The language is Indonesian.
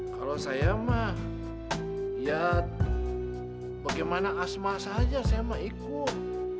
kalau saya mah ya bagaimana asma saja saya mau ikut